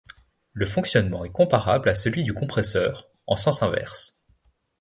Le fonctionnement est comparable à celui du compresseur, en sens inverse.